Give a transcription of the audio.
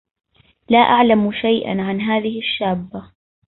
لا اعلم شيئاً عن هذه الشابة.